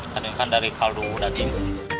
karena ini kan dari kaldu daging